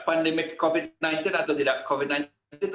pandemi covid sembilan belas atau tidak covid sembilan belas itu